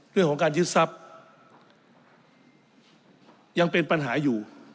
เรื่องของการยึดทรัพย์ยังเป็นปัญหาอยู่